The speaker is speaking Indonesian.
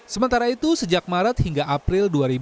sementara itu sejak maret hingga april ini